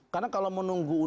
karena kalau menunggu itu